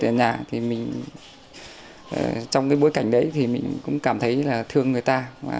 trong buổi tết ở nhà thì mình trong bối cảnh đấy thì mình cũng cảm thấy là thương người ta